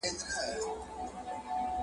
په دامونو کي یې کښېوتل سېلونه ..